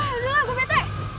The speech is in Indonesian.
aduh gue pt